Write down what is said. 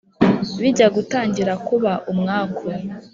bijya gutangira kuba umwaku